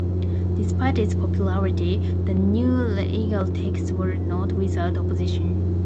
Despite its popularity, the new legal texts were not without opposition.